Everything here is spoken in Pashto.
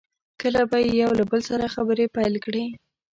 کله به یې یو له بل سره خبرې پیل کړې.